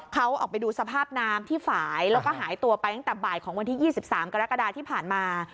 เขาออกไปดูสภาพน้ำที่ฝ่ายแล้วก็หายตัวไปตั้งแต่บ่ายของวันที่๒๓กรกฎาที่ผ่านมา